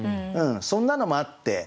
そんなのもあって。